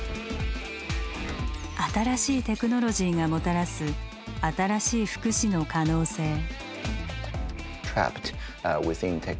「あたらしいテクノロジー」がもたらす「あたらしい福祉」の可能性。